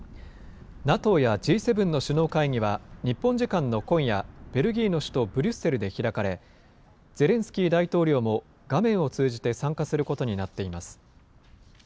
ＮＡＴＯやＧ７の首脳会議は、日本時間の今夜、ベルギーの首都ブリュッセルで開かれ、ゼレンスキー大統領も画面を通じて参加することになっています。